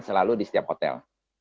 selalu di setiap hotel